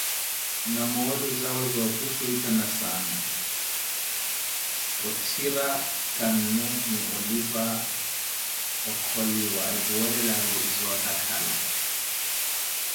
Na moolu zawe zoopuxhuwisana, ootthira cannu ni olipa okholiwa epuwelelaru zootakhala.